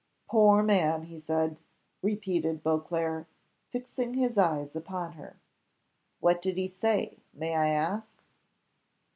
"Poor man, he said " repeated Beauclerc, fixing his eyes upon her, "What did he say, may I ask?"